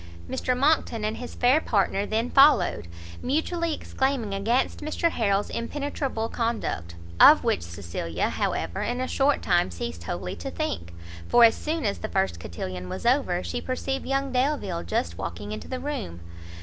Mr Monckton and his fair partner then followed, mutually exclaiming against Mr Harrel's impenetrable conduct; of which Cecilia, however, in a short time ceased wholly to think, for as soon as the first cotillon was over, she perceived young Delvile just walking into the room.